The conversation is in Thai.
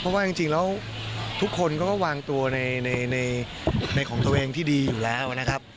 เพราะว่าจริงแล้วทุกคนเขาก็วางตัวในของตัวเองที่ดีอยู่แล้วนะครับ